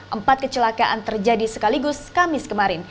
empat kecelakaan terjadi sekaligus kamis kemarin